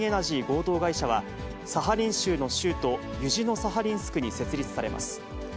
合同会社は、サハリン州の州都ユジノサハリンスクに設立されます。